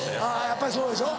やっぱりそうでしょ。